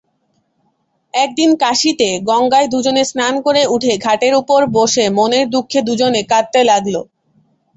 একদিন কাশীতে গঙ্গায় দুজনে স্নান করে উঠে ঘাটের ওপর বসে মনের দুঃখে দুজনে কাঁদতে লাগল।